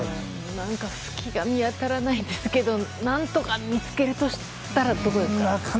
隙が見当たらないですが何とか見つけるとしたら、どこですか？